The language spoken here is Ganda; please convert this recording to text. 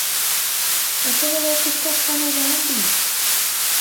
Osobola okukakkana bambi ?